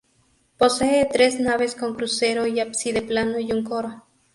Posee tres naves con crucero y ábside plano, y un coro.